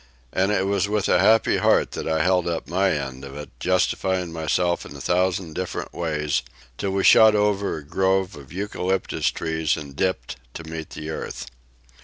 And it was with a happy heart that I held up my end of it, justifying myself in a thousand different ways, till we shot over a grove of eucalyptus trees and dipped to meet the earth.